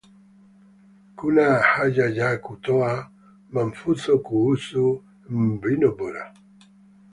kuna haja ya kutoa mafunzo kuhusu mbinu bora